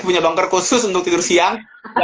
punya bunker khusus untuk tidur siang